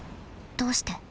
どうして？